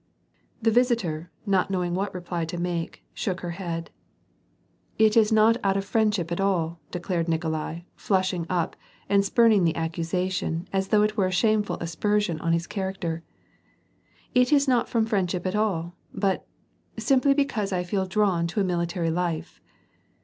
The visitor, not knowing what reply to make, shook her head. *' It is not out of friendship at all," declared Nikolai, flush ing up and spuming the accusation as though it were a shameful aspersion on his character. '' It is not from friend ship at all, but, simply because I feel drawn to a military life."